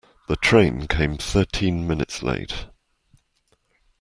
The train came thirteen minutes late.